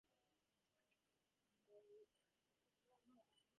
The station and all passenger services are operated by Great Western Railway.